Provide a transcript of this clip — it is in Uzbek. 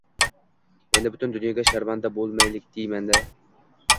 — Endi, butun dunyoga sharmanda bo‘lmaylik deyman-da.